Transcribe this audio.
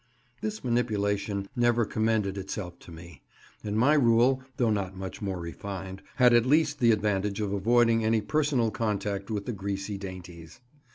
This manipulation never commended itself to me; and my rule, though not much more refined, had at least the advantage of avoiding any personal contact with the greasy dainties.